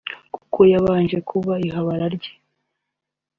kuko yabanje kuba ihabara rye